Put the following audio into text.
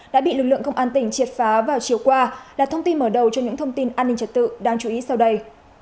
đã bị lực lượng công an tỉnh triệt phá vào chiều qua là thông tin mở đầu cho những thông tin an ninh trật tự đáng chú ý sau đây